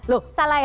loh salah ya